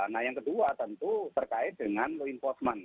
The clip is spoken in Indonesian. nah yang kedua tentu terkait dengan reinforcement